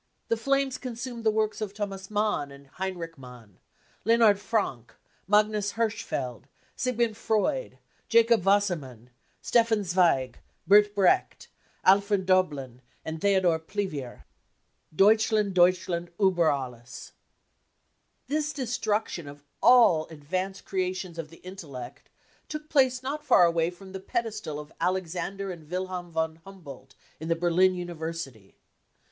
The flames consumed the works of Thomas Mann and Heinrich Mann, Leonhard Frankf Magnus Hirschfeld, Siegmund Freud, Jacob Wasser mann, Stefan Zweig, Bert Brecht, Alfred Doblin and Theodor Plivier. "Deutschland, Deutschland iiber alles! 33 172 BROWN BOOK OF THE HITLER TERROR This destruction of all advanced creations of the intellect took place not far away from the pedestal of Alexander and Wilhelm von Humboldt in the Berlin University.